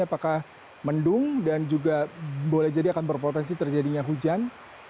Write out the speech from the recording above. apakah mendung dan juga boleh jadi akan berpotensi terjadinya hujan